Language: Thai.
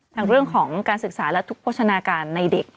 เรื่องของการศึกษาและทุกโภชนาการในเด็ก